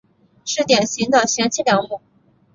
是典型的贤妻良母。